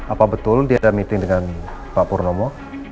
apa betul dia ada meeting dengan pak purnomo